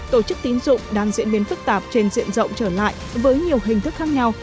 tổ chức tín dụng đang diễn biến phức tạp trên diện rộng trở lại với nhiều hình thức khác nhau